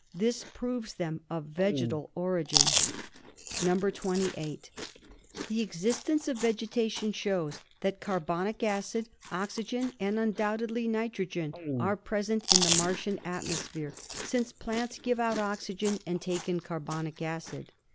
This proves them of vegetal origin. "(28) The existence of vegetation shows that carbonic acid, oxygen and undoubtedly nitrogen are present in the Martian atmosphere, since plants give out oxygen and take in carbonic acid.